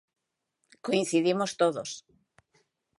Coincidimos todos.